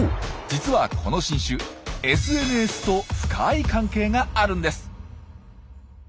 実はこの新種ＳＮＳと深い関係があるんです。